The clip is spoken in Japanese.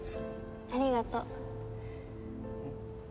ありがとう。えっ？